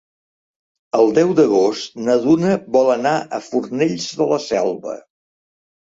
El deu d'agost na Duna vol anar a Fornells de la Selva.